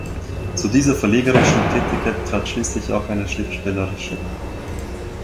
Zu dieser verlegerischen Tätigkeit trat schließlich auch eine schriftstellerische.